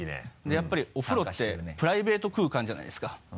やっぱりお風呂ってプライベート空間じゃないですか。